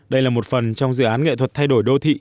đây là một phần trong dự án nghệ thuật thay đổi đô thị